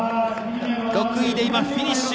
６位でフィニッシュ。